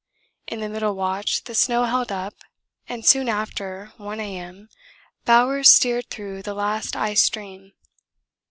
In the middle watch the snow held up, and soon after 1 A.M. Bowers steered through the last ice stream.